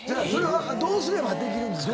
どうすればできるんですか？